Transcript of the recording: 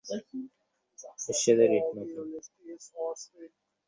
অতীন্দ্রিয় তত্ত্বসকল শুধু যে একজন লোকের মধ্য দিয়াই জগতে প্রসারিত হয়, এমন নহে।